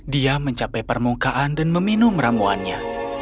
dia mencapai permukaan dan meminum ramuannya